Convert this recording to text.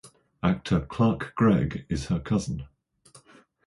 Actor Clark Gregg is her cousin.